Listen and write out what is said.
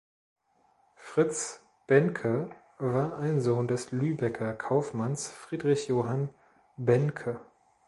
Fritz Behncke war ein Sohn des Lübecker Kaufmanns Friedrich Johann Behncke.